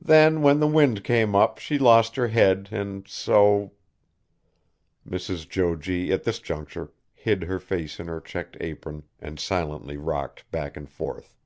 Then when the wind came up, she lost her head, an' so " Mrs. Jo G. at this juncture hid her face in her checked apron and silently rocked back and forth.